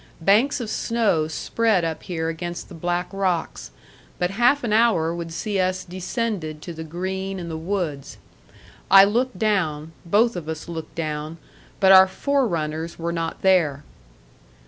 Banks of snow spread up here against the black rocks, but half an hour would see us descended to the green and the woods. I looked down, both of us looked down, but our forerunners were not there.